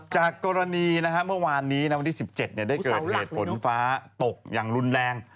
จากกรณีเมื่อวานนี้วันที่๑๗ได้เกิดเหตุฝนฟ้าตกอย่างรุนแรง